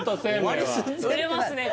売れますね